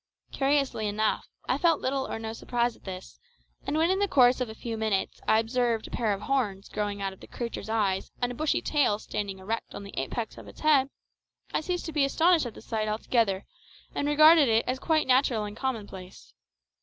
Curiously enough, I felt little or no surprise at this, and when in the course of a few minutes I observed a pair of horns growing out of the creature's eyes and a bushy tail standing erect on the apex of its head, I ceased to be astonished at the sight altogether, and regarded it as quite natural and commonplace.